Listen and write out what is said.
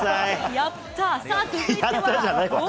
やったー。